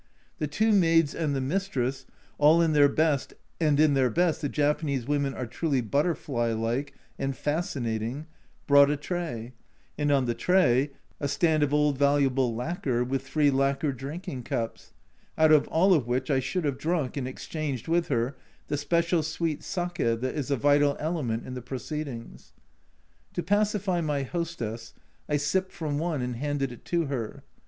The two maids and the mistress, all in their best (and in their best the Japanese women are truly butterfly like and fascinating), brought a tray, and on the tray a stand of old valuable lacquer with three lacquer drinking cups, out of all of which I should have drunk, and exchanged with her, the special sweet sake that is a vital element in the proceedings. To pacify my hostess I sipped from one, and handed it to her.